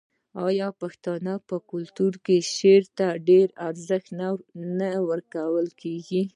آیا د پښتنو په کلتور کې شعر ته ډیر ارزښت نه ورکول کیږي؟